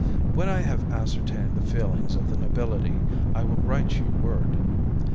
When I have ascertained the feelings of the nobility I will write you word.